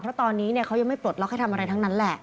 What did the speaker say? เพราะตอนนี้เขายังไม่ปลดล็อกให้ทำอะไรทั้งนั้นแหละ